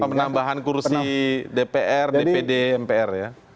penambahan kursi dpr dpd mpr ya